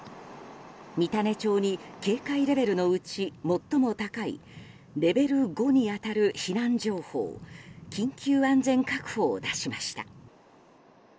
三種町に警戒レベルのうち最も高いレベル５に当たる避難情報緊急安全確保を出しました。